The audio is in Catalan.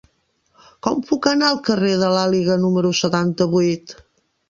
Com puc anar al carrer de l'Àliga número setanta-vuit?